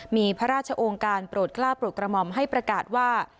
มีพระราชองค์การโปรดกล้าโปรดกระหม่อมให้ประกาศว่า